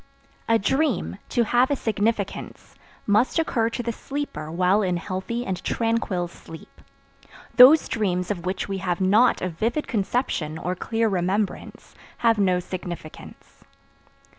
A dream, to have a significance, must occur to the sleeper while in healthy and tranquil sleep. Those dreams of which we have not a vivid conception, or clear remembrance, have no significance.